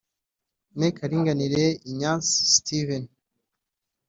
Me Kalinganire Ignace Steven